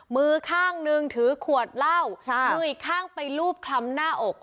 มือข้างนึงถือขวดเหล้ามืออีกข้างไปลูบคลำหน้าอก